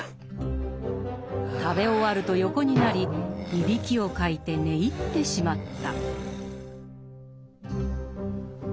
食べ終わると横になりいびきをかいて寝入ってしまった。